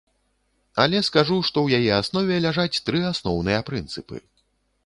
Але скажу, што ў яе аснове ляжаць тры асноўныя прынцыпы.